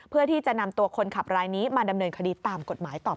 เพื่อที่จะนำตัวคนขับรายนี้มาดำเนินคดีตามกฎหมายต่อไป